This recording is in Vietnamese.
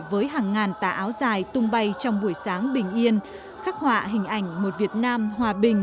với hàng ngàn tà áo dài tung bay trong buổi sáng bình yên khắc họa hình ảnh một việt nam hòa bình